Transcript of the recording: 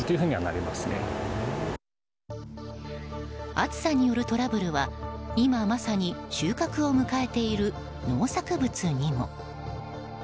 暑さによるトラブルは今まさに収穫を迎えている農作物にも。